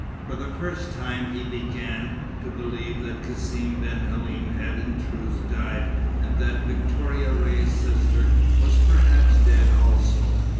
For the first time he began to believe that Cassim ben Halim had in truth died, and that Victoria Ray's sister was perhaps dead also.